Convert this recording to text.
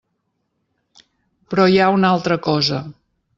Però hi ha una altra cosa.